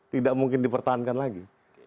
tidak mungkin dipertahankan lagi